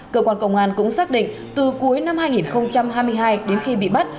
cơ quan công an cũng xác định từ cuối năm hai nghìn hai mươi hai đến khi bị bắt